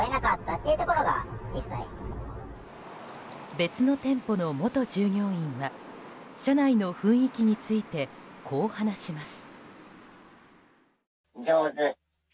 別の店舗の元従業員は社内の雰囲気についてこう話します。